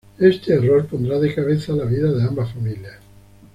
Este error pondrá de cabeza la vida de ambas familias.